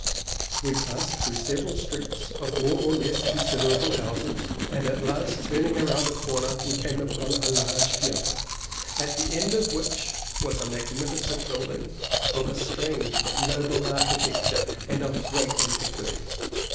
We passed through several streets of more or less considerable houses, and at last turning round a corner we came upon a large piazza, at the end of which was a magnificent building, of a strange but noble architecture and of great antiquity.